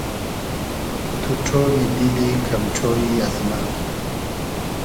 تو ݖۉنی دیلی کئم ݖۉیی از مۂ